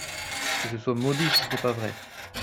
Que je sois maudit si ce n'est pas vrai !